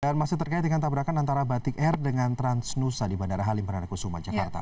dan masih terkait dengan tabrakan antara batik air dengan transnusa di bandara halim perdana kusuma jakarta